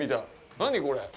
何これ。